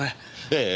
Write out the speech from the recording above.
ええ。